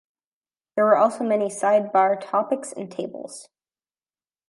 There were also many sidebar topics and tables.